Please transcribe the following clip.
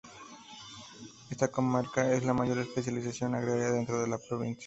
Esta comarca es la de mayor especialización agraria dentro de la provincia.